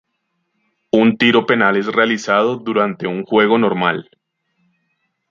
Un tiro penal es realizado durante un juego normal.